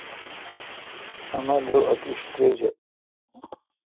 مہ مل رو اتیش تریجہ۔